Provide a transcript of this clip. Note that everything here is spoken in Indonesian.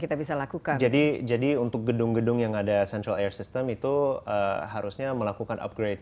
kita bisa lakukan jadi untuk gedung gedung yang ada central air system itu harusnya melakukan upgrade